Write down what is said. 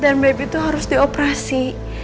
dan baby itu harus dioperasi